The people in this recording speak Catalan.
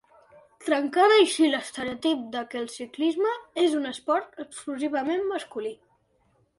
Trencant així l’estereotip de què el ciclisme és un esport exclusivament masculí.